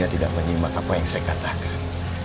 saya tidak menyimak apa yang saya katakan